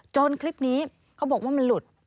คลิปนี้เขาบอกว่ามันหลุด